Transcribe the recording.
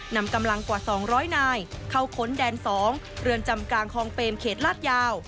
นำกำลังกว่า๒๐๐นายเข้าค้นแดน๒เรือนจำกลางคลองเปมเขตลาดยาว